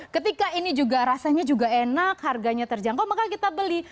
ketika ini juga rasanya juga enak harganya terjangkau maka kita beli